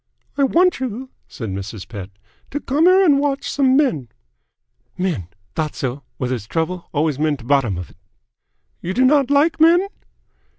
"I want you," said Mrs. Pett, "to come here and watch some men " "Men! Thought so! Wh' there's trouble, always men't bottom'f it!" "You do not like men?"